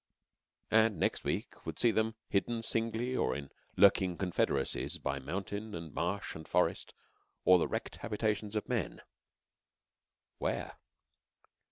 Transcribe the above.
And next week would see them, hidden singly or in lurking confederacies, by mountain and marsh and forest, or the wrecked habitations of men where?